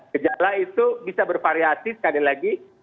gejala itu bisa bervariasi sekali lagi